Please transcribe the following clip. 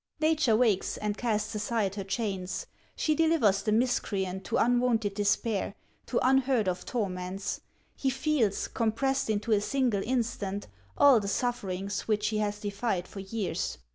Nature wakes and casts aside her chains ; she delivers the miscreant to unwonted despair, to unheard of torments ; he feels, com pressed into a single instant, all the sufferings which he has defied for years.